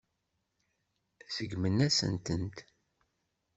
Seggment-asent-tent.